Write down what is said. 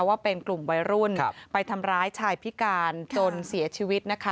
ว่าเป็นกลุ่มวัยรุ่นไปทำร้ายชายพิการจนเสียชีวิตนะคะ